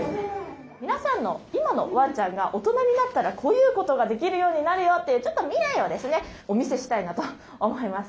皆さんの今のワンちゃんが大人になったらこういうことができるようになるよというちょっと未来をですねお見せしたいなと思います。